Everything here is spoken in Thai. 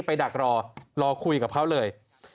ไปดักรอคุยกับเขาเลย